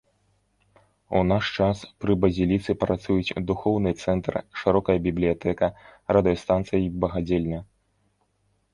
У наш час пры базіліцы працуюць духоўны цэнтр, шырокая бібліятэка, радыёстанцыя і багадзельня.